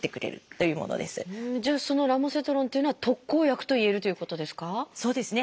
じゃあそのラモセトロンっていうのは特効薬といえるということですか？